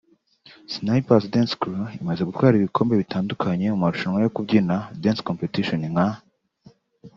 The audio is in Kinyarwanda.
Snipers Dance Crew imaze gutwara ibikombe bitandukanye mu marushanwa yo kubyina (Dance Competition) nka